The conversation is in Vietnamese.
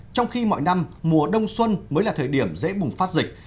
trong khi mọi năm mùa đông xuân mới là thời điểm dễ bùng phát dịch